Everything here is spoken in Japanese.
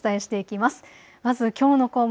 まずきょうの項目